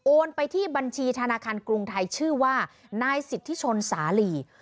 ไปที่บัญชีธนาคารกรุงไทยชื่อว่านายสิทธิชนสาหลี